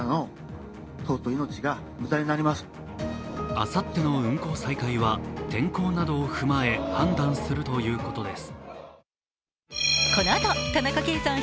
あさっての運航再開は天候などを踏まえ判断するということです。